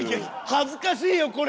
恥ずかしいよこれ！